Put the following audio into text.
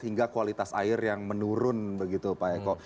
hingga kualitas air yang menurun begitu pak eko